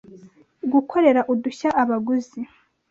gukorera udushya abaguzi